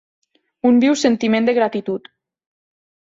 Un viu sentiment de gratitud.